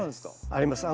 あります。